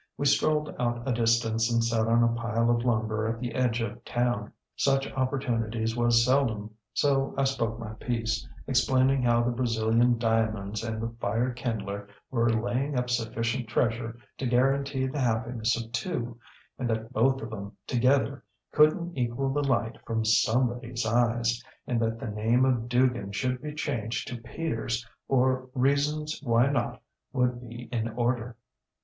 We strolled out a distance and sat on a pile of lumber at the edge of town. Such opportunities was seldom, so I spoke my piece, explaining how the Brazilian diamonds and the fire kindler were laying up sufficient treasure to guarantee the happiness of two, and that both of ŌĆÖem together couldnŌĆÖt equal the light from somebodyŌĆÖs eyes, and that the name of Dugan should be changed to Peters, or reasons why not would be in order.